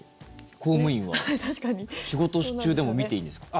公務員は仕事中でも見ていいんですか？